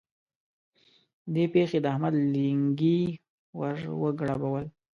دې پېښې د احمد لېنګي ور وګړبول.